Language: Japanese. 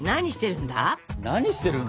何してるんだ？